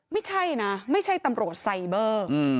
ไม่ใช่นะไม่ใช่ตำรวจไซเบอร์